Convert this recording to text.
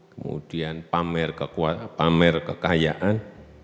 kemudian pamer kekayaan